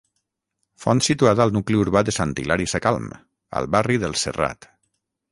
Font situada al nucli urbà de Sant Hilari Sacalm, al barri del Serrat.